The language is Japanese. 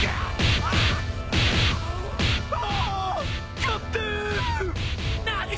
ああ！？